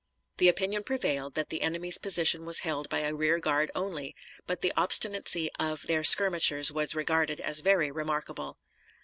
The opinion prevailed that the enemy's position was held by a rear guard only, but the obstinacy of their skirmishers was regarded as very remarkable.